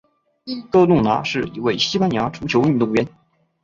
哥路拿是一位西班牙足球运动员。